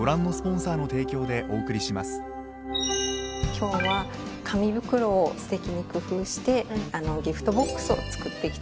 今日は紙袋をすてきに工夫してギフトボックスを作っていきたいと思います。